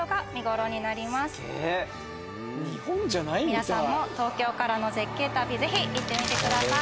皆さんも東京からの絶景旅ぜひ行ってみてください。